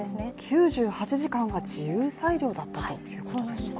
９８時間が自由裁量だったということですか？